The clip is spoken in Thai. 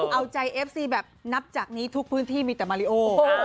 เอาใจเอฟซีแบบนับจากนี้ทุกพื้นที่มีแต่มาริโอ